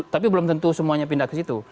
tapi belum tentu semuanya pindah ke situ